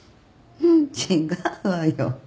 違うわよ。